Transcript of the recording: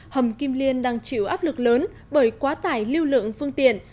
hầm kim liên đang chịu áp lực lớn bởi quá tải lưu lượng phương tiện